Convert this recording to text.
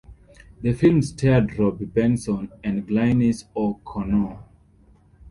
The film starred Robby Benson and Glynnis O'Connor.